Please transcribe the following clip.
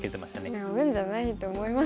いや運じゃないと思いますよ。